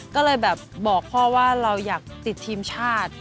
ก็เลยแบบบอกพ่อว่าเราอยากติดทีมชาติ